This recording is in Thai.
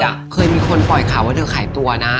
อ่ะเคยมีคนปล่อยข่าวว่าหนื่นไขตัวน่ะ